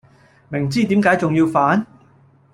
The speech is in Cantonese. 明知點解重要犯?